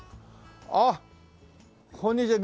あっこんにちは。